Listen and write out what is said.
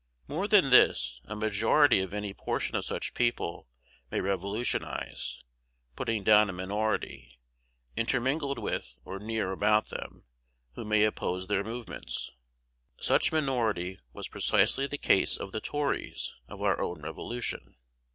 More than this, a majority of any portion of such people may revolutionize, putting down a minority, intermingled with or near about them, who may oppose their movements. Such minority was precisely the case of the Tories of our own Revolution.